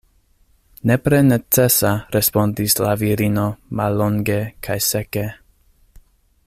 Nepre necesa, respondis la virino mallonge kaj seke.